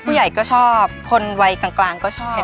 ผู้ใหญ่ก็ชอบคนวัยกลางก็ชอบ